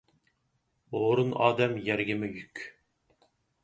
ھورۇن ئادەم يەرگىمۇ يۈك.